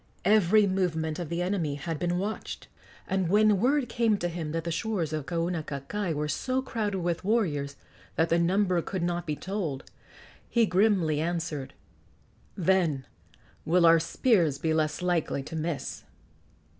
Every movement of the enemy had been watched; and when word came to him that the shores of Kaunakakai were so crowded with warriors that the number could not be told, he grimly answered: "Then will our spears be less likely to miss!"